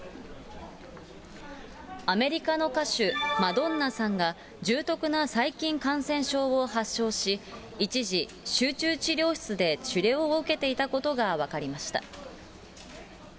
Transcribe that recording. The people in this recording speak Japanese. アメリカの歌手、マドンナさんが重篤な細菌感染症を発症し、一時、集中治療室で治療を受けていたことが分かりました。